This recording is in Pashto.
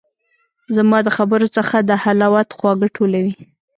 زما د خبرو څخه د حلاوت خواږه ټولوي